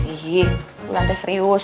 ih gue lantai serius